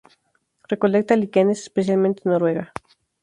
Recolecta líquenes especialmente en Noruega.